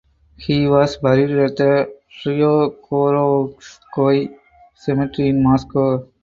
He was buried at the Troyekurovskoye Cemetery in Moscow.